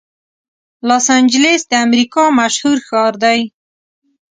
لاس انجلس د امریکا مشهور ښار دی.